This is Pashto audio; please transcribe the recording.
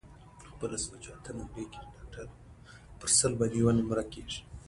افغانستان د هلمند سیند له امله شهرت لري.